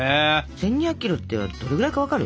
１，２００キロってどのくらいか分かる？